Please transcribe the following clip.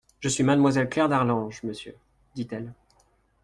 Je suis mademoiselle Claire d'Arlange, monsieur, dit-elle.